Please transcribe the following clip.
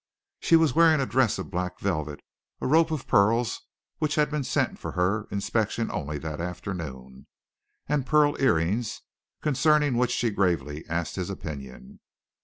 She was wearing a dress of black velvet, a rope of pearls which had been sent for her inspection only that afternoon, and pearl earrings, concerning which she gravely asked his opinion.